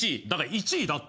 １位だって。